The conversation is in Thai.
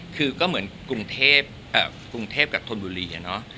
คือก็เหมือนกรุงเทพกรุงเทพกับธนบุรีอะเนาะ